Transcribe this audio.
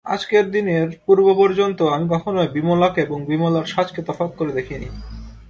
আজকের দিনের পূর্ব পর্যন্ত আমি কখনোই বিমলাকে এবং বিমলার সাজকে তফাত করে দেখি নি।